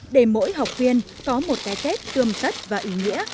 để mỗi học viên có một cái tết cơm rất và ý nghĩa